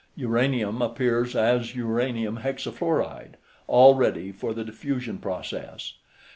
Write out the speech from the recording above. Uranium appears as uranium hexafluoride, all ready for the diffusion process.